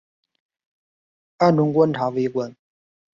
暗中观察围观